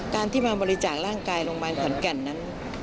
การที่มาบริจาคร่างกายโรงพยาบาลขอนแก่นนั้น